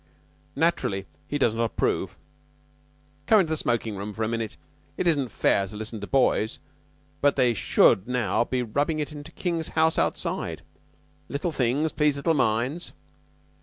Naturally he does not approve. Come into the smoking room for a minute. It isn't fair to listen to boys; but they should be now rubbing it into King's house outside. Little things please little minds."